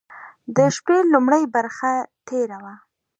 د شپې لومړۍ برخه تېره وه.